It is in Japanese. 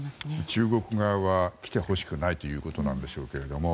中国側は来てほしくないということなんでしょうけど。